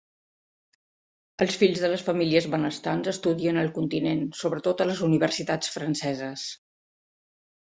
Els fills de les famílies benestants estudien al continent, sobretot a les universitats franceses.